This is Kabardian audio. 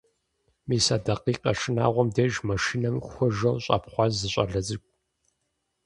Мис а дакъикъэ шынагъуэм деж машинэм хуэжэу щӀэпхъуащ зы щӀалэ цӀыкӀу.